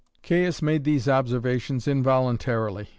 Caius made these observations involuntarily.